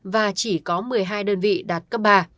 và chỉ có một mươi hai đơn vị đạt cấp ba